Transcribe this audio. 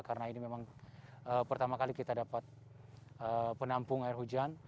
karena ini memang pertama kali kita dapat penampung air hujan